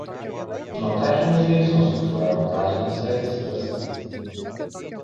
Notarinius veiksmus fiksuoja notarinis registras.